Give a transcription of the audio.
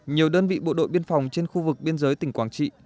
nhiều đơn vị bộ đội biên phòng trên khu vực biên giới tỉnh quảng trị